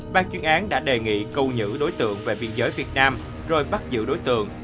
ban chuyên án đã đề nghị cầu nhữ đối tượng về biên giới việt nam rồi bắt giữ đối tượng